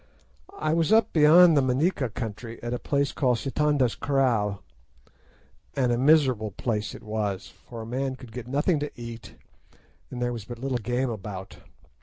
I was up beyond the Manica country, at a place called Sitanda's Kraal, and a miserable place it was, for a man could get nothing to eat, and there was but little game about.